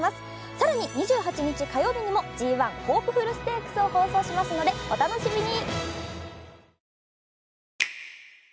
更に２８日火曜日にもＧⅠホープフルステークスを放送しますのでお楽しみに！